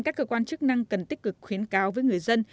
các cơ quan chức năng cần tích cực khuyến cáo với người dân